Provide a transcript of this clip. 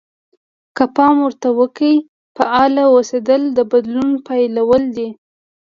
که پام ورته وکړئ فعال اوسېدل د بدلون پيلول دي.